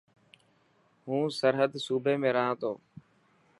هون سرهد صوبي ۾ رها تو.